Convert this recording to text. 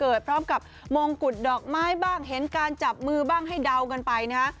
พร้อมกับมงกุฎดอกไม้บ้างเห็นการจับมือบ้างให้เดากันไปนะฮะ